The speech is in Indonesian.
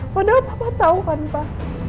padahal papa tahu kan pak